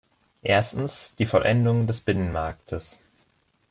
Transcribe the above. Erstens, die Vollendung des Binnenmarktes.